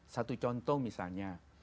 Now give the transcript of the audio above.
satu contoh misalnya